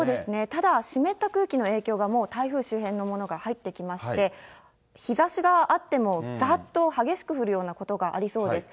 ただ、湿った空気の影響が、もう台風周辺のものが入ってきまして、日ざしがあってもざっと激しく降るようなことがありそうです。